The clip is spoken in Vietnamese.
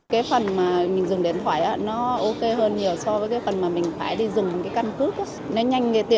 cái phần mà mình dùng điện thoại nó ok hơn nhiều so với cái phần mà mình phải đi dùng cái căn cứ